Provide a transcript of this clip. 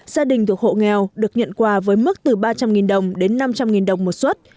gia đình thuộc hộ nghèo được nhận quà với mức từ ba trăm linh đồng đến năm trăm linh đồng một xuất